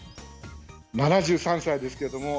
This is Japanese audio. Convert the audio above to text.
７３歳ですけれども。